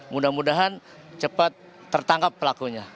mudah mudahan cepat tertangkap pelakunya